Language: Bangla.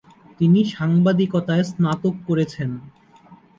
তিনি সাংবাদিকতায় স্নাতক করেছেন।